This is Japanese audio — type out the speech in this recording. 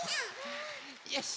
よし。